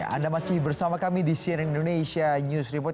ada masih bersama kami di sien indonesia news report